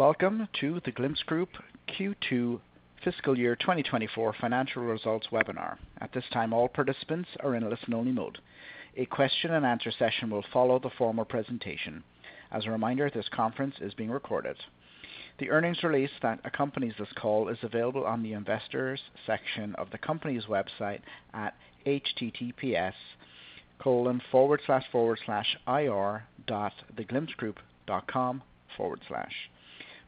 Welcome to The Glimpse Group Q2 fiscal year 2024 financial results webinar. At this time, all participants are in listen-only mode. A question-and-answer session will follow the formal presentation. As a reminder, this conference is being recorded. The earnings release that accompanies this call is available on the investors section of the company's website at https://ir-theglimpsegroup.com/.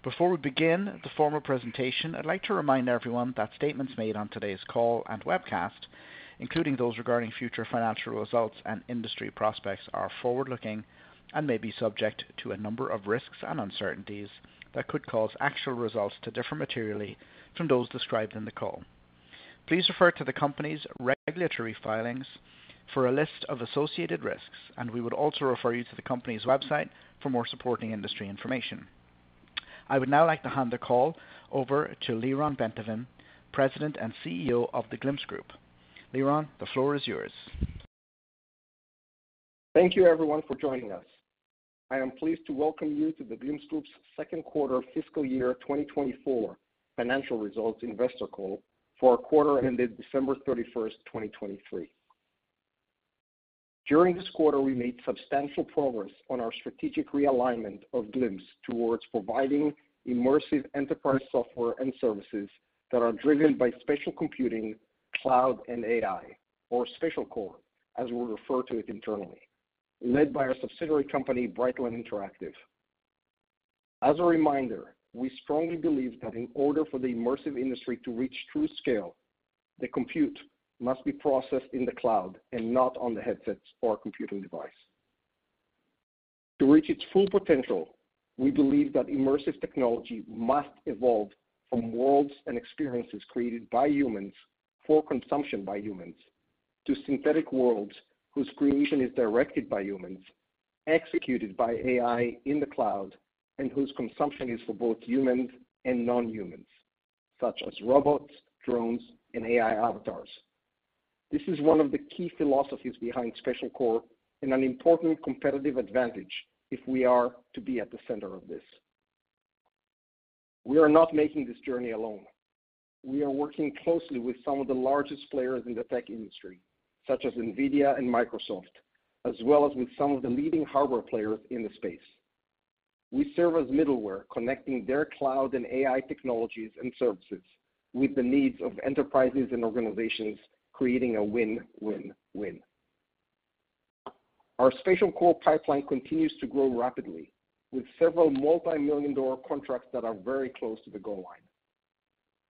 Before we begin the formal presentation, I'd like to remind everyone that statements made on today's call and webcast, including those regarding future financial results and industry prospects, are forward-looking and may be subject to a number of risks and uncertainties that could cause actual results to differ materially from those described in the call. Please refer to the company's regulatory filings for a list of associated risks, and we would also refer you to the company's website for more supporting industry information. I would now like to hand the call over to Lyron Bentovim, President and CEO of The Glimpse Group. Lyron, the floor is yours. Thank you, everyone, for joining us. I am pleased to welcome you to The Glimpse Group's second quarter fiscal year 2024 financial results investor call for a quarter ended December 31st, 2023. During this quarter, we made substantial progress on our strategic realignment of The Glimpse Group towards providing immersive enterprise software and services that are driven by spatial computing, cloud, and AI, or SpatialCore, as we refer to it internally, led by our subsidiary company, Brightline Interactive. As a reminder, we strongly believe that in order for the immersive industry to reach true scale, the compute must be processed in the cloud and not on the headsets or computing device. To reach its full potential, we believe that immersive technology must evolve from worlds and experiences created by humans for consumption by humans to synthetic worlds whose creation is directed by humans, executed by AI in the cloud, and whose consumption is for both humans and non-humans, such as robots, drones, and AI avatars. This is one of the key philosophies behind SpatialCore and an important competitive advantage if we are to be at the center of this. We are not making this journey alone. We are working closely with some of the largest players in the tech industry, such as NVIDIA and Microsoft, as well as with some of the leading hardware players in the space. We serve as middleware connecting their cloud and AI technologies and services with the needs of enterprises and organizations, creating a win-win-win. Our SpatialCore pipeline continues to grow rapidly, with several multimillion-dollar contracts that are very close to the goal line.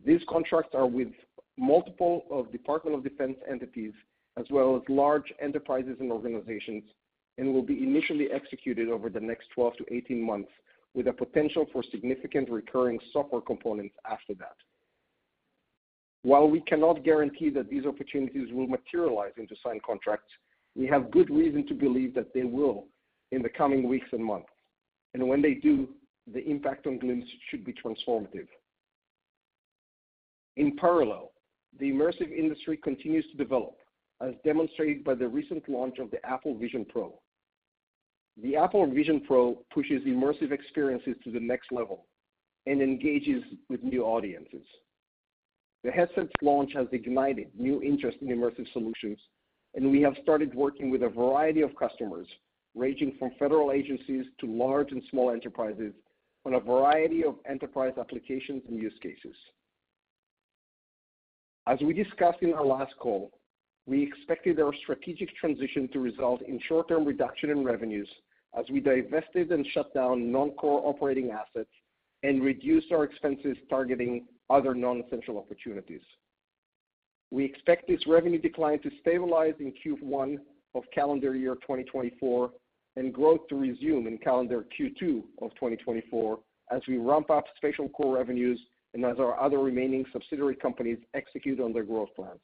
These contracts are with multiple Department of Defense entities, as well as large enterprises and organizations, and will be initially executed over the next 12-18 months, with a potential for significant recurring software components after that. While we cannot guarantee that these opportunities will materialize into signed contracts, we have good reason to believe that they will in the coming weeks and months. And when they do, the impact on Glimpse should be transformative. In parallel, the immersive industry continues to develop, as demonstrated by the recent launch of the Apple Vision Pro. The Apple Vision Pro pushes immersive experiences to the next level and engages with new audiences. The headset's launch has ignited new interest in immersive solutions, and we have started working with a variety of customers, ranging from federal agencies to large and small enterprises, on a variety of enterprise applications and use cases. As we discussed in our last call, we expected our strategic transition to result in short-term reduction in revenues as we divested and shut down non-core operating assets and reduced our expenses targeting other non-essential opportunities. We expect this revenue decline to stabilize in Q1 of calendar year 2024 and growth to resume in calendar Q2 of 2024 as we ramp up SpatialCore revenues and as our other remaining subsidiary companies execute on their growth plans.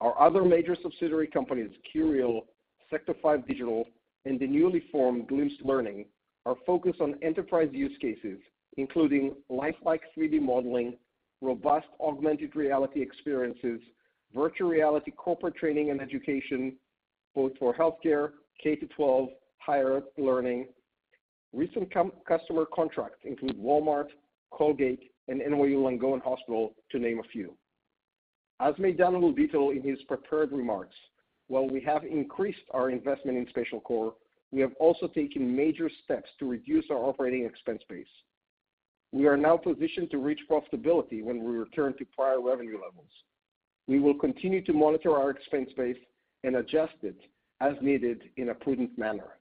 Our other major subsidiary companies, QReal, Sector 5 Digital, and the newly formed Glimpse Learning, are focused on enterprise use cases, including lifelike 3D modeling, robust augmented reality experiences, virtual reality corporate training and education, both for healthcare, K-12, higher learning. Recent customer contracts include Walmart, Colgate, and NYU Langone Hospital, to name a few. As Maydan will detail in his prepared remarks, while we have increased our investment in SpatialCore, we have also taken major steps to reduce our operating expense base. We are now positioned to reach profitability when we return to prior revenue levels. We will continue to monitor our expense base and adjust it as needed in a prudent manner.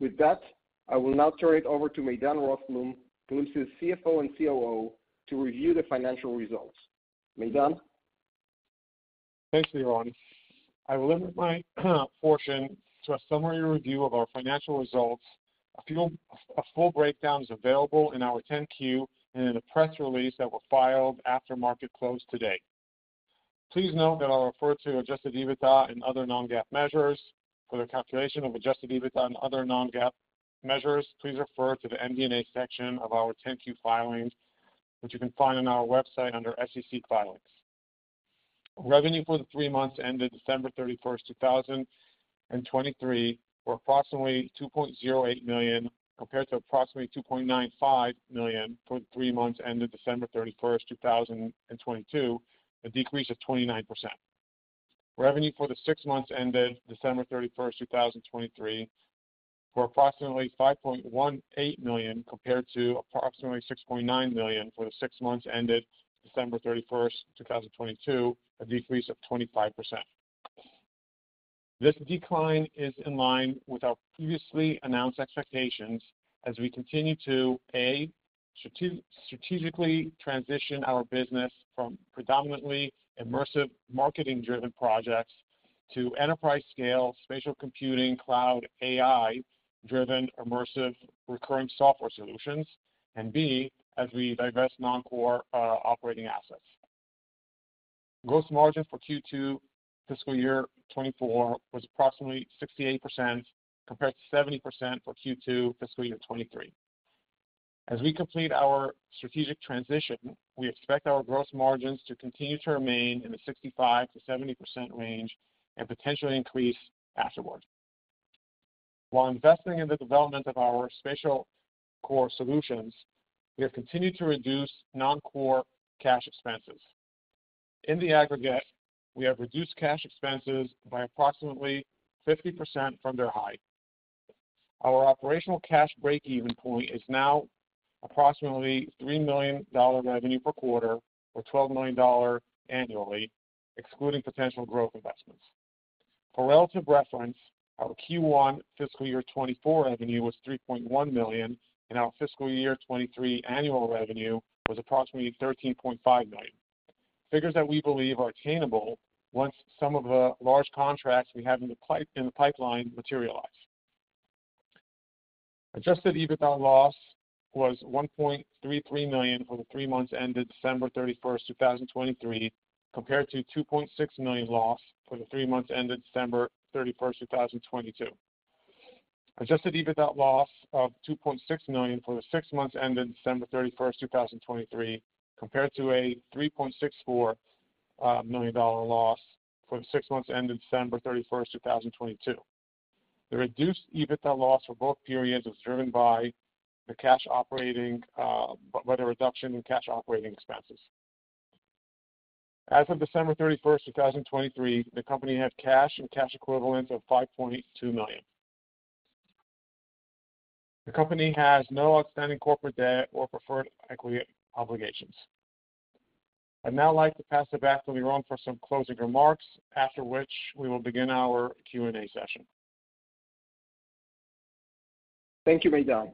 With that, I will now turn it over to Maydan Rothblum, Glimpse's CFO and COO, to review the financial results. Maydan? Thanks, Lyron. I will limit my portion to a summary review of our financial results. A full breakdown is available in our 10-Q and in the press release that were filed after market closed today. Please note that I'll refer to adjusted EBITDA and other non-GAAP measures. For the calculation of adjusted EBITDA and other non-GAAP measures, please refer to the MD&A section of our 10-Q filings, which you can find on our website under SEC filings. Revenue for the three months ended December 31st, 2023, were approximately $2.08 million compared to approximately $2.95 million for the three months ended December 31st, 2022, a decrease of 29%. Revenue for the six months ended December 31st, 2023, were approximately $5.18 million compared to approximately $6.9 million for the six months ended December 31st, 2022, a decrease of 25%. This decline is in line with our previously announced expectations as we continue to, A, strategically transition our business from predominantly immersive marketing-driven projects to enterprise-scale spatial computing, cloud, AI-driven immersive recurring software solutions, and B, as we divest non-core operating assets. Gross margin for Q2 fiscal year 2024 was approximately 68% compared to 70% for Q2 fiscal year 2023. As we complete our strategic transition, we expect our gross margins to continue to remain in the 65%-70% range and potentially increase afterward. While investing in the development of our SpatialCore solutions, we have continued to reduce non-core cash expenses. In the aggregate, we have reduced cash expenses by approximately 50% from their high. Our operational cash break-even point is now approximately $3 million revenue per quarter, or $12 million annually, excluding potential growth investments. For relative reference, our Q1 fiscal year 2024 revenue was $3.1 million, and our fiscal year 2023 annual revenue was approximately $13.5 million, figures that we believe are attainable once some of the large contracts we have in the pipeline materialize. Adjusted EBITDA loss was $1.33 million for the three months ended December 31st, 2023, compared to $2.6 million loss for the three months ended December 31st, 2022. Adjusted EBITDA loss of $2.6 million for the six months ended December 31st, 2023, compared to a $3.64 million loss for the six months ended December 31st, 2022. The reduced EBITDA loss for both periods was driven by the reduction in cash operating expenses. As of December 31st, 2023, the company had cash and cash equivalents of $5.2 million. The company has no outstanding corporate debt or preferred equity obligations. I'd now like to pass it back to Lyron for some closing remarks, after which we will begin our Q&A session. Thank you, Maydan.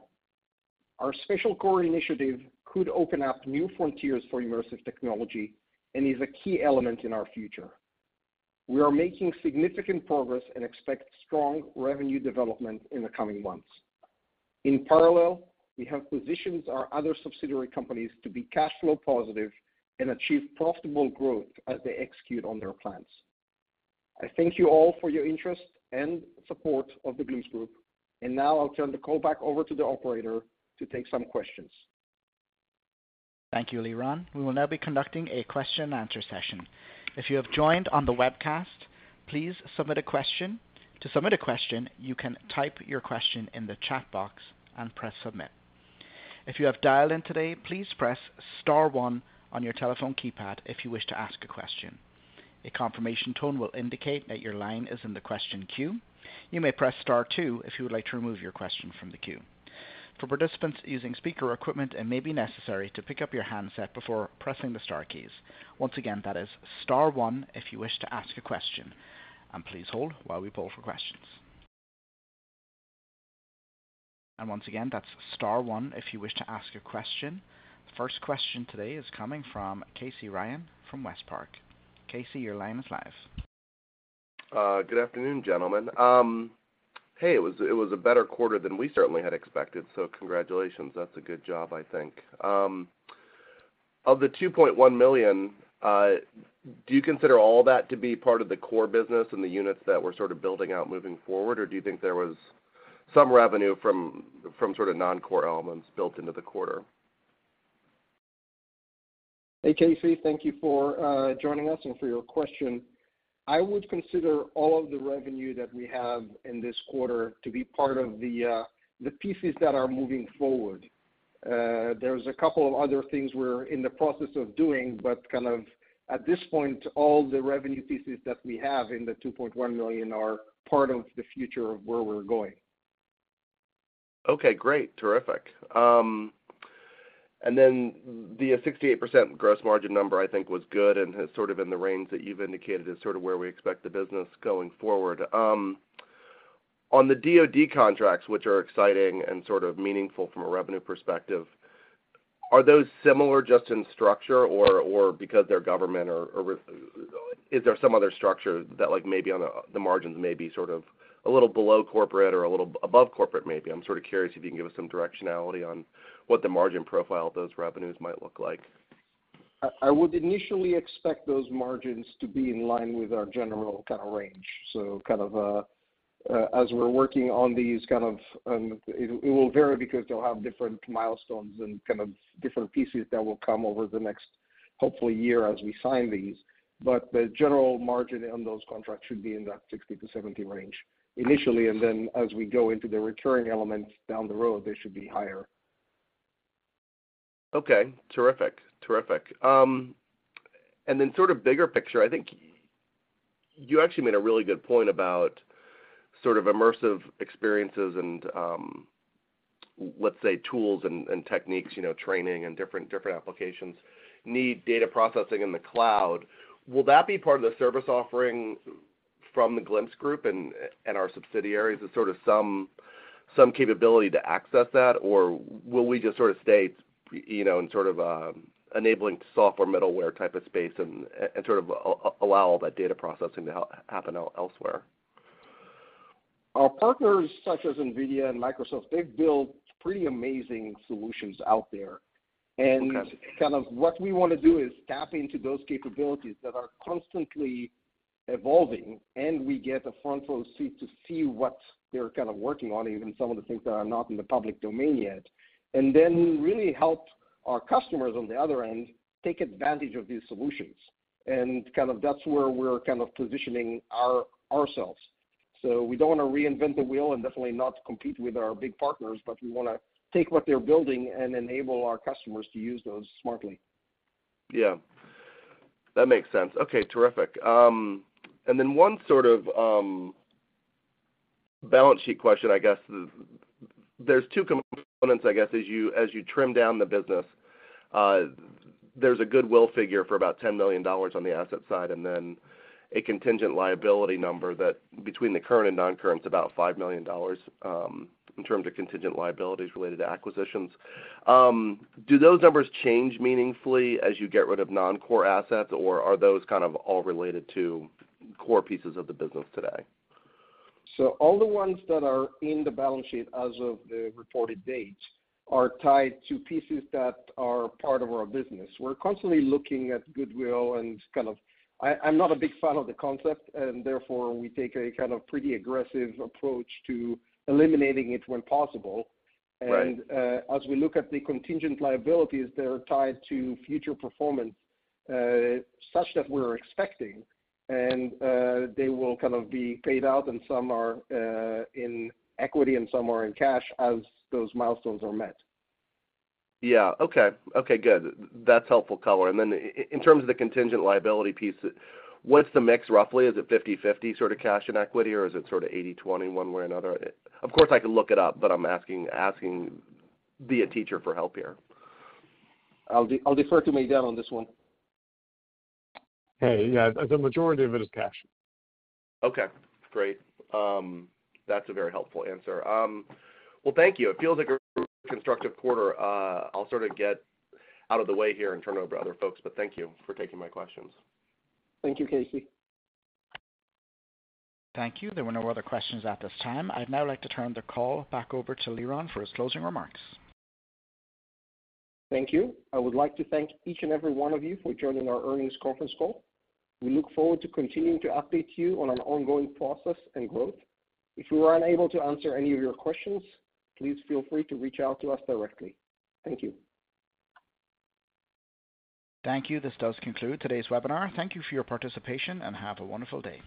Our SpatialCore initiative could open up new frontiers for immersive technology and is a key element in our future. We are making significant progress and expect strong revenue development in the coming months. In parallel, we have positioned our other subsidiary companies to be cash flow positive and achieve profitable growth as they execute on their plans. I thank you all for your interest and support of the Glimpse Group, and now I'll turn the call back over to the operator to take some questions. Thank you, Lyron. We will now be conducting a question-and-answer session. If you have joined on the webcast, please submit a question. To submit a question, you can type your question in the chat box and press submit. If you have dialed in today, please press star one on your telephone keypad if you wish to ask a question. A confirmation tone will indicate that your line is in the question queue. You may press star two if you would like to remove your question from the queue. For participants using speaker equipment, it may be necessary to pick up your handset before pressing the star keys. Once again, that is star one if you wish to ask a question. And please hold while we pull for questions. And once again, that's star one if you wish to ask a question. The first question today is coming from Casey Ryan from WestPark. Casey, your line is live. Good afternoon, gentlemen. Hey, it was a better quarter than we certainly had expected, so congratulations. That's a good job, I think. Of the $2.1 million, do you consider all that to be part of the core business and the units that we're sort of building out moving forward, or do you think there was some revenue from sort of non-core elements built into the quarter? Hey, Casey. Thank you for joining us and for your question. I would consider all of the revenue that we have in this quarter to be part of the pieces that are moving forward. There's a couple of other things we're in the process of doing, but kind of at this point, all the revenue pieces that we have in the $2.1 million are part of the future of where we're going. Okay, great. Terrific. And then the 68% gross margin number, I think, was good and is sort of in the range that you've indicated is sort of where we expect the business going forward. On the DoD contracts, which are exciting and sort of meaningful from a revenue perspective, are those similar just in structure, or because they're government, is there some other structure that maybe on the margins may be sort of a little below corporate or a little above corporate, maybe? I'm sort of curious if you can give us some directionality on what the margin profile of those revenues might look like. I would initially expect those margins to be in line with our general kind of range. So kind of as we're working on these kind of it will vary because they'll have different milestones and kind of different pieces that will come over the next, hopefully, year as we sign these. But the general margin on those contracts should be in that 60%-70% range initially, and then as we go into the recurring elements down the road, they should be higher. Okay. Terrific. Terrific. And then sort of bigger picture, I think you actually made a really good point about sort of immersive experiences and, let's say, tools and techniques, training and different applications need data processing in the cloud. Will that be part of the service offering from The Glimpse Group and our subsidiaries as sort of some capability to access that, or will we just sort of stay in sort of enabling software middleware type of space and sort of allow all that data processing to happen elsewhere? Our partners, such as NVIDIA and Microsoft, they've built pretty amazing solutions out there. Kind of what we want to do is tap into those capabilities that are constantly evolving, and we get a front-row seat to see what they're kind of working on, even some of the things that are not in the public domain yet, and then really help our customers on the other end take advantage of these solutions. Kind of that's where we're kind of positioning ourselves. We don't want to reinvent the wheel and definitely not compete with our big partners, but we want to take what they're building and enable our customers to use those smartly. Yeah. That makes sense. Okay. Terrific. And then one sort of balance sheet question, I guess. There's two components, I guess, as you trim down the business. There's a goodwill figure for about $10 million on the asset side and then a contingent liability number that between the current and non-current's about $5 million in terms of contingent liabilities related to acquisitions. Do those numbers change meaningfully as you get rid of non-core assets, or are those kind of all related to core pieces of the business today? All the ones that are in the balance sheet as of the reported date are tied to pieces that are part of our business. We're constantly looking at goodwill, and kind of, I'm not a big fan of the concept, and therefore, we take a kind of pretty aggressive approach to eliminating it when possible. As we look at the contingent liabilities, they're tied to future performance such that we're expecting, and they will kind of be paid out, and some are in equity and some are in cash as those milestones are met. Yeah. Okay. Okay. Good. That's helpful color. And then in terms of the contingent liability piece, what's the mix roughly? Is it 50/50 sort of cash and equity, or is it sort of 80/20 one way or another? Of course, I can look it up, but I'm asking via teacher for help here. I'll defer to Maydan on this one. Hey. Yeah. The majority of it is cash. Okay. Great. That's a very helpful answer. Well, thank you. It feels like a constructive quarter. I'll sort of get out of the way here and turn it over to other folks, but thank you for taking my questions. Thank you, Casey. Thank you. There were no other questions at this time. I'd now like to turn the call back over to Lyron for his closing remarks. Thank you. I would like to thank each and every one of you for joining our earnings conference call. We look forward to continuing to update you on an ongoing process and growth. If we were unable to answer any of your questions, please feel free to reach out to us directly. Thank you. Thank you. This does conclude today's webinar. Thank you for your participation, and have a wonderful day.